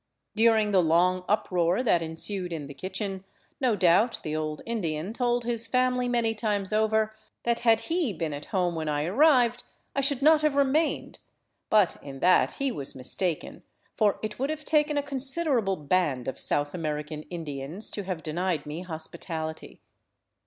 During the long uproar that ensued in the kitchen, no doubt the old Indian told his family many times over that had he been at home when I arrived, I should not have remained ; but in that he was mistaken, for it would have taken a con siderable band of South American Indians to have denied me hospi tality.